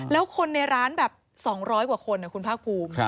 แล้วคนในร้านแบบ๒๐๐กว่าคนคุณภาคภูมิ